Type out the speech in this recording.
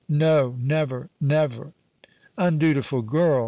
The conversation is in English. no—never, never!" "Undutiful girl!"